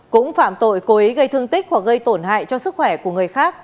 cũng phạm tội cố ý gây thương tích hoặc gây tổn hại cho sức khỏe của người khác